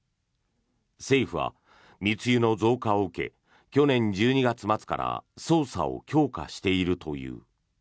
政府は密輸の増加を受け去年１２月末から捜査を強化しているという。